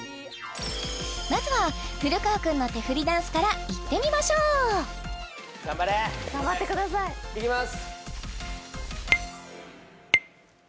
まずは古川くんの手振りダンスからいってみましょう頑張れ！頑張ってくださいいきます）